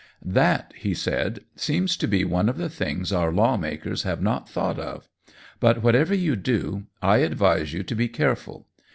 "That," he said, "seems to be one of the things our lawmakers have not thought of. But whatever you do, I advise you to be careful.